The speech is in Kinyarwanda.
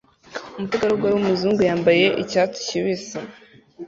umutegarugori wumuzungu wambaye icyatsi kibisi